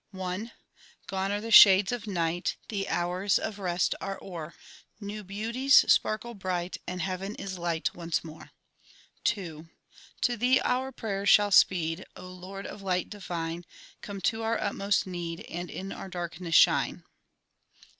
I Gone are the shades of night, The hours of rest are o'er; New beauties sparkle bright, And heaven is light once more. II To Thee our prayers shall speed, O Lord of light divine; Come to our utmost need, And in our darkness shine.